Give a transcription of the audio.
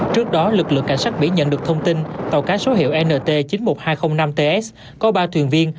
trước đó lực lượng cảnh sát biển nhận được thông tin tàu cá số hiệu nt chín mươi một nghìn hai trăm linh năm ts có ba thuyền viên